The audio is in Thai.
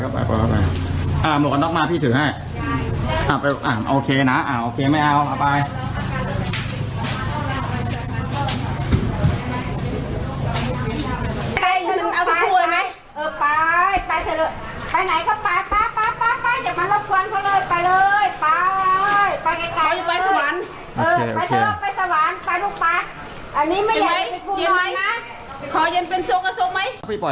ไปไปทันที